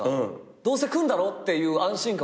どうせ来るんだろっていう安心感僕あって。